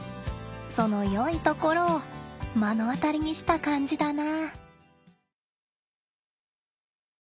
そのよいところを目の当たりにした感じだな。